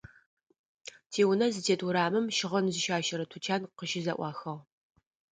Тиунэ зытет урамым щыгъын зыщащэрэ тучан къыщызэӀуахыгъ.